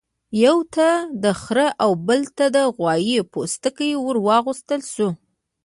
یوه ته د خرۀ او بل ته د غوايي پوستکی ورواغوستل شو.